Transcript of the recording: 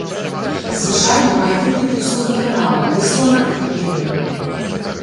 Звычайна мае выгляд вузкага канала, выслана эпітэліем.